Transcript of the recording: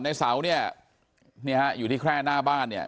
ในเสาเนี่ยนี่ฮะอยู่ที่แค่หน้าบ้านเนี่ย